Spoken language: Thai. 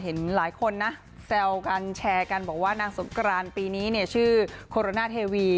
เห็นหลายคนแซวกันแชร์กันบอกว่านางสงการปีนี้ชื่อโคโรนาเทวี